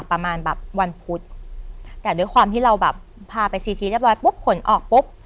ประมาณแบบวันพุธแต่ด้วยความที่เราแบบพาไปซีทีเรียบร้อยปุ๊บผลออกปุ๊บ